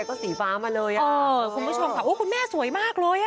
ก็สีฟ้ามาเลยคุณผู้ชมค่ะโอ้คุณแม่สวยมากเลยอ่ะ